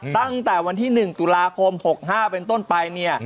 ตั้งแต่วันที่๑ตุลาคม๖๕เป็นต้นไปเนี่ย